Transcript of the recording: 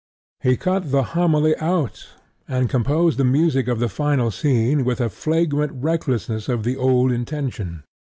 He cut the homily out, and composed the music of the final scene with a flagrant recklessness of the old intention.